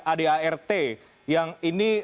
adart yang ini